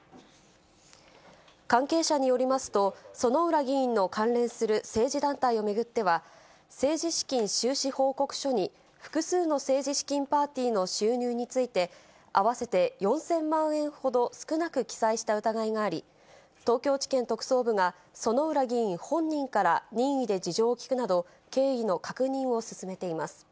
関係者によりますと、薗浦議員の関連する政治団体を巡っては、政治資金収支報告書に、複数の政治資金パーティーの収入について、合わせて４０００万円ほど少なく記載した疑いがあり、東京地検特捜部が薗浦議員本人から任意で事情を聴くなど、経緯の確認を進めています。